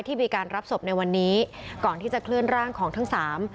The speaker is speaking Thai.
มีการรับศพในวันนี้ก่อนที่จะเคลื่อนร่างของทั้งสาม